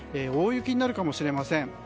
大雪になるかもしれません。